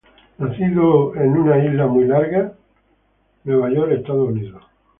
Nacido en Long Island, New York, Estados Unidos.